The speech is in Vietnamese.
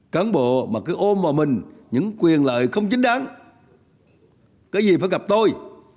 cán bộ mà cứ ôm vào mình những quyền lợi không chính đáng cái gì phải gặp tôi